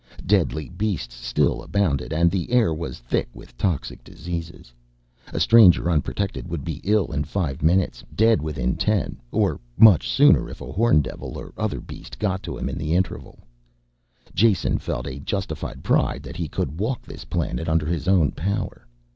Deadly beasts still abounded, and the air was thick with toxic diseases. A stranger, unprotected, would be ill in five minutes, dead within ten or much sooner if a horndevil or other beast got to him in the interval. Jason felt a justified pride that he could walk this planet under his own power.